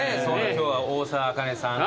今日は大沢あかねさんが。